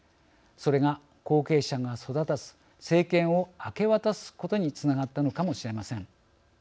それが後継者が育たず政権を明け渡すことにつながったのかもしれません。